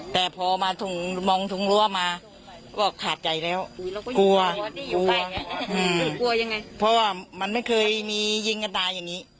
แต่พอมามองถุงรั้วมาก็ขาดใจแล้วกลัวยังไงเพราะว่ามันไม่เคยมียิงกันตายอย่างนี้